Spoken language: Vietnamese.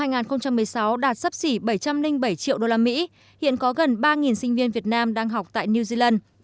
năm hai nghìn một mươi sáu đạt sấp xỉ bảy trăm linh bảy triệu usd hiện có gần ba sinh viên việt nam đang học tại new zealand